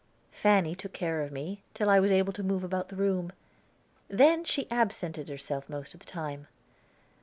Fanny took care of me till I was able to move about the room, then she absented herself most of the time.